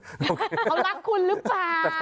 เขารักคุณหรือเปล่า